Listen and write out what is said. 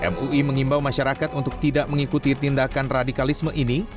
mui mengimbau masyarakat untuk tidak mengikuti tindakan radikalisme ini